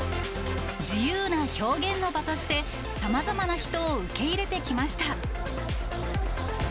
自由な表現の場として、さまざまな人を受け入れてきました。